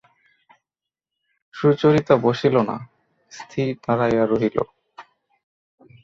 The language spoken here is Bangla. সুচরিতা বসিল না, স্থির দাঁড়াইয়া রহিল।